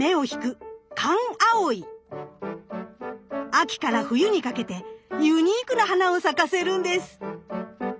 秋から冬にかけてユニークな花を咲かせるんです。